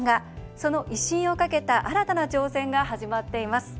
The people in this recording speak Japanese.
その威信をかけた新たな挑戦が始まっています。